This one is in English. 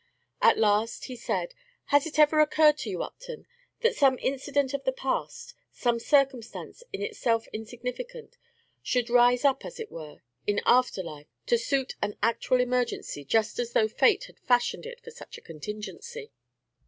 At last he said, "Has it ever occurred to you, Upton, that some incident of the past, some circumstance in itself insignificant, should rise up, as it were, in after life to suit an actual emergency, just as though fate had fashioned it for such a contingency?"